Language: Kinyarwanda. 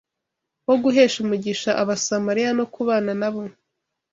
wo guhesha umugisha Abasamariya mu kubana na bo